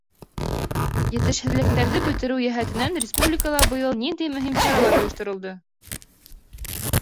Етешһеҙлектәрҙе бөтөрөү йәһәтенән республикала быйыл ниндәй мөһим саралар ойошторолдо.